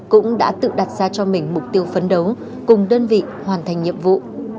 cũng đã tự đặt ra cho mình mục tiêu phấn đấu cùng đơn vị hoàn thành nhiệm vụ